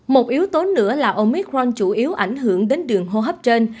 một yếu tố nữa là omitrun chủ yếu ảnh hưởng đến đường hô hấp trên